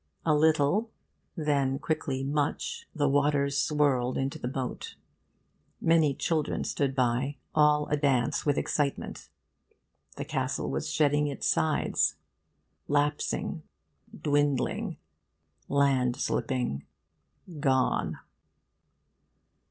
A little, then quickly much, the waters swirled into the moat. Many children stood by, all a dance with excitement. The castle was shedding its sides, lapsing, dwindling, landslipping gone.